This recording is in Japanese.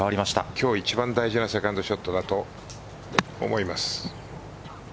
今日一番大事なショットだと思います。